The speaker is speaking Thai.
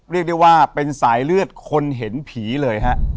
เรียกได้ว่าเป็นสายเลือดคนเห็นผีเลยฮะ